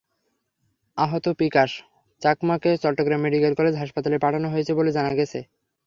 আহত পিকাশ চাকমাকে Chittagong medical college হাসপাতালে পাঠানো হয়েছে বলে জানা গেছে।